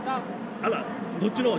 あら、どっちのほう？